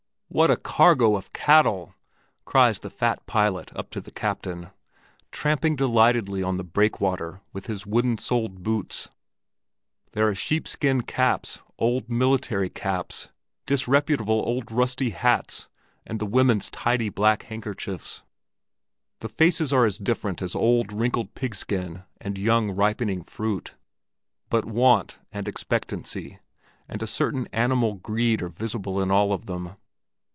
"What a cargo of cattle!" cries the fat pilot up to the captain, tramping delightedly on the breakwater with his wooden soled boots. There are sheepskin caps, old military caps, disreputable old rusty hats, and the women's tidy black handkerchiefs. The faces are as different as old, wrinkled pigskin and young, ripening fruit; but want, and expectancy, and a certain animal greed are visible in all of them.